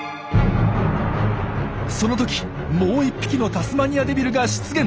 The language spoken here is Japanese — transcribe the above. その時もう一匹のタスマニアデビルが出現。